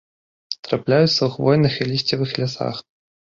Трапляюцца ў хвойных і лісцевых лясах.